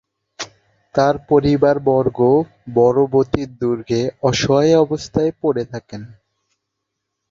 তাঁর পরিবারবর্গ বড়বতি দুর্গে অসহায় অবস্থায় পড়ে থাকেন।